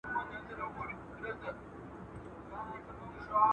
انسانان بايد په ازاده توګه په ټولنه کي ژوند وکړي.